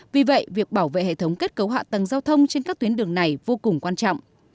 vì vậy việc bảo vệ hệ thống kết cấu hạ tầng giao thông trên các tuyến đường này vô cùng quan trọng